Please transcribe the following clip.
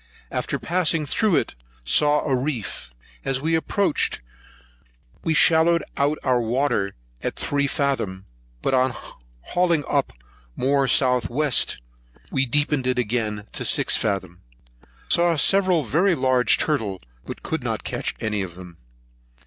After passing through it, saw a reef. As we approached it, we shallowed our water to three fathom; but on hauling up more to the south west, we deepened it again to six fathom. Saw several very large turtle, but could not catch any of them.